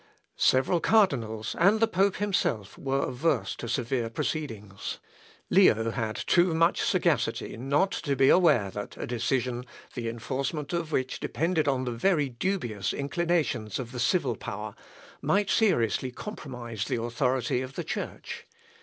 Several cardinals and the pope himself, were averse to severe proceedings. Leo had too much sagacity not to be aware that a decision, the enforcement of which depended on the very dubious inclinations of the civil power, might seriously compromise the authority of the Church.